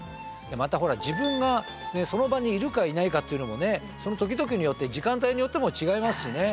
またほら自分がその場にいるかいないかっていうのもその時々によって時間帯によっても違いますしね。